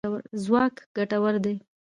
ځواک ګټور دی.